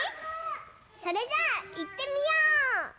それじゃあいってみよう！